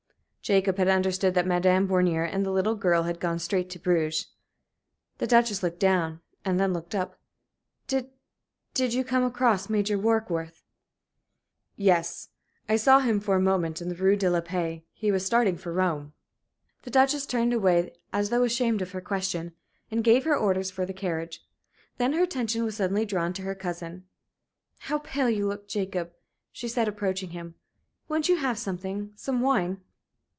Jacob had understood that Madame Bornier and the little girl had gone straight to Bruges. The Duchess looked down and then looked up. "Did did you come across Major Warkworth?" "Yes, I saw him for a moment in the Rue de la Paix, He was starting for Rome." The Duchess turned away as though ashamed of her question, and gave her orders for the carriage. Then her attention was suddenly drawn to her cousin. "How pale you look, Jacob," she said, approaching him. "Won't you have something some wine?"